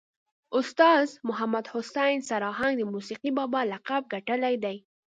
استاذ محمد حسین سر آهنګ د موسیقي بابا لقب ګټلی دی.